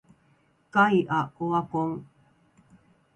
ガイアオワコン